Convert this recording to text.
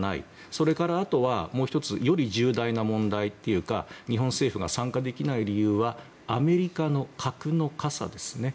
それから、あとはより重大な問題というか日本政府が参加できない理由はアメリカの核の傘ですね。